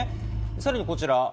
さらにこちら。